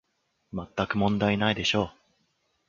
まったく問題ないでしょう